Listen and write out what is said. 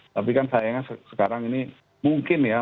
tapi kan sayangnya sekarang ini mungkin ya